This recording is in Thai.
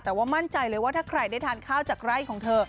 แต่ว่ามั่นใจเลยว่าถ้าใครได้ทานข้าวจากไร่ของเธอ